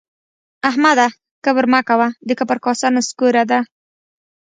احمده کبر مه کوه؛ د کبر کاسه نسکوره ده